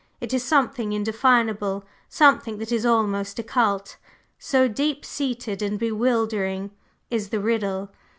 It is something indefinable, something that is almost occult, so deep seated and bewildering is the riddle.